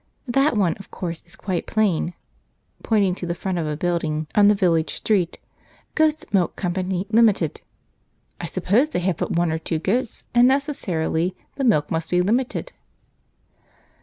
That one, of course, is quite plain" (pointing to the front of a building on the village street), "'Goat's Milk Company, Limited'; I suppose they have but one or two goats, and necessarily the milk must be Limited."